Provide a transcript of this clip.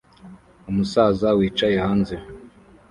Umusaza wicaye hanze